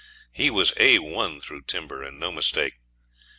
He was A1 through timber, and no mistake.